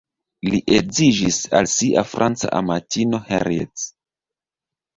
Li edziĝis al sia franca amatino Henriette.